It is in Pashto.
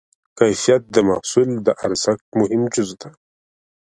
کیفیت د محصول د ارزښت مهم جز دی.